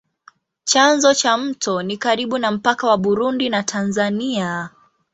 Chanzo cha mto ni karibu na mpaka wa Burundi na Tanzania.